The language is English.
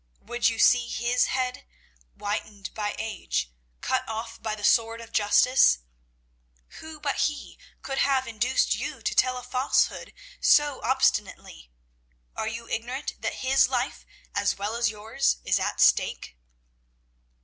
Would you see his head, whitened by age, cut off by the sword of justice? Who but he could have induced you to tell a falsehood so obstinately? Are you ignorant that his life as well as yours is at stake?"